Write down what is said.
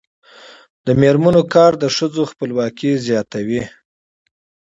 د میرمنو کار د ښځو خپلواکي زیاتوي.